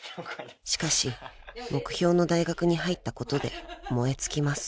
［しかし目標の大学に入ったことで燃え尽きます］